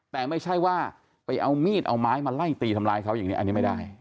แต่ไม่ใช่ว่าไปเอามีดเอาไม้มาไล่ตีทำร้ายเขาอย่างนี้อันนี้ไม่ได้